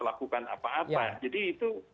lakukan apa apa jadi itu